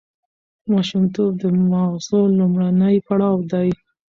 ماشومتوب د ماغزو لومړنی پړاو دی.